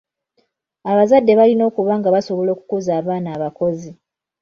Abazadde balina okuba nga basobola okukuza abaana abakozi.